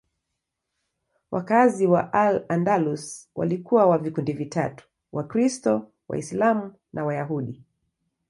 Wakazi wa Al-Andalus walikuwa wa vikundi vitatu: Wakristo, Waislamu na Wayahudi.